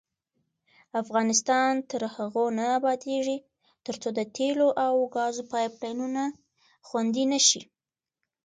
افغانستان تر هغو نه ابادیږي، ترڅو د تیلو او ګازو پایپ لاینونه خوندي نشي.